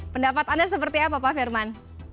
pendapat anda seperti apa pak firman